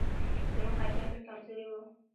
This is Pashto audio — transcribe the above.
زموږ حاجیان ډېر کمزوري وو.